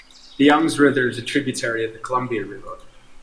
The Youngs River is a tributary of the Columbia River.